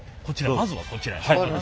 まずはこちらへ。